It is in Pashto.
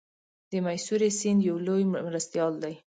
د میسوری سیند یو لوی مرستیال دی.